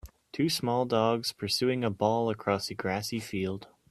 Two small dogs pursuing a ball across a grassy field